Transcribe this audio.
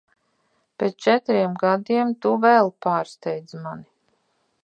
Pēc četriem gadiem tu vēl pārsteidz mani.